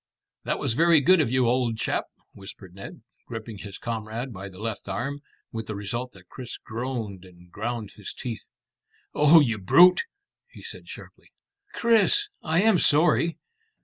"That was very good of you, old chap," whispered Ned, gripping his comrade by the left arm, with the result that Chris groaned and ground his teeth. "Oh, you brute!" he said sharply. "Chris! I am sorry."